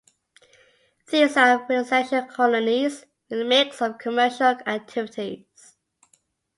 These are residential colonies with mix of Commercial activities.